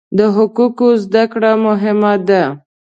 د حقوقو زده کړه مهمه ده.